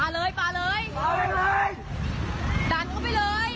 โสดต่อไปโสดต่อไป